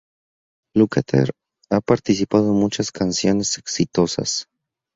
Lukather ha participado en muchas canciones exitosas.